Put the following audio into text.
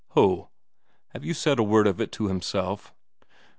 "Ho! Have you said a word of it to himself?"